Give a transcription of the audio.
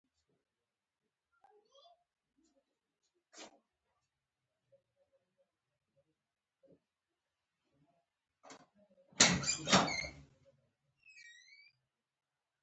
ما دویم او درېیم او ان بې شمېره عسکر ووژل